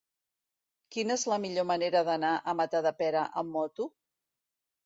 Quina és la millor manera d'anar a Matadepera amb moto?